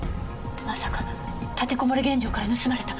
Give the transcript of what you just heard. まさか立てこもり現場から盗まれた。